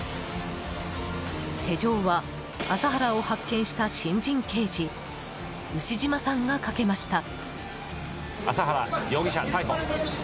手錠は、麻原を発見した新人刑事、牛島さんがかけました。